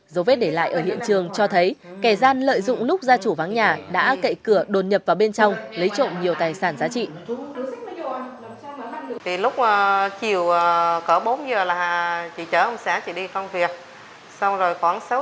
dấu vết để lại ở hiện trường cho thấy kẻ gian lợi dụng lúc gia chủ váng nhà đã cậy cửa đồn nhập vào bên trong lấy trộm nhiều tài sản giá trị